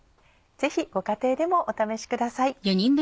ぜひご家庭でもお試しください。